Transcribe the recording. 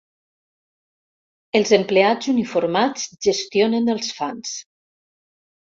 Els empleats uniformats gestionen els fans.